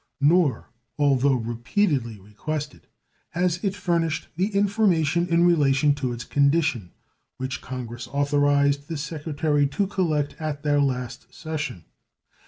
Nor, although repeatedly requested, has it furnished the information in relation to its condition which Congress authorized the Secretary to collect at their last session.